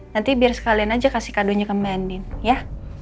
nanti biar sekalian aja kasih kadunya ke mbak endin ya